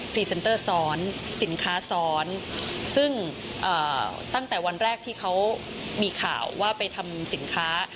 รีเซนเตอร์ซ้อนสินค้าซ้อนซึ่งตั้งแต่วันแรกที่เขามีข่าวว่าไปทำสินค้า